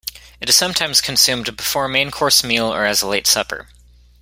It is sometimes consumed before a main course meal or as a late supper.